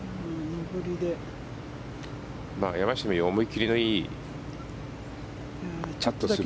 山下のように思い切りのいいパットをする。